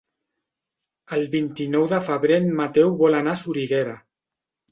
El vint-i-nou de febrer en Mateu vol anar a Soriguera.